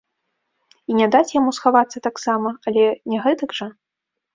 І не даць яму схавацца таксама, але не гэтак жа!